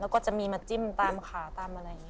แล้วก็จะมีมาจิ้มตามขาตามอะไรอย่างนี้